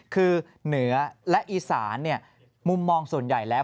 คือเหนือและอีสานมุมมองส่วนใหญ่แล้ว